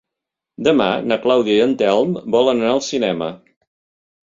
Demà na Clàudia i en Telm volen anar al cinema.